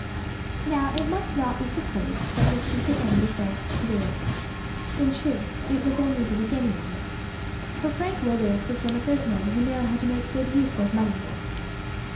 Now, it must not be supposed that this was the end of Frank's career. In truth, it was only the beginning of it, for Frank Willders was one of those men who know how to make a good use of money.